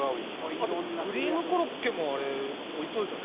あとクリームコロッケもあれおいしそうでしたね。